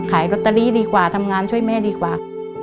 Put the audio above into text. ขายโรตเตอรี่ดีกว่าทำงานช่วยแม่ดีกว่า